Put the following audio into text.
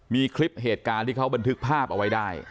มีคลิปเหตุการณ์ที่เขาบันทึกภาพเอาไว้ได้